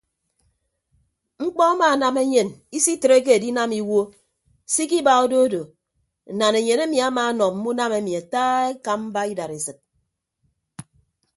Mkpọ amaanam enyen isitreke edinam iwuo se ikiba odo odo nnanaenyen emi amaanọ mme unam emi ata ekamba idadesịd.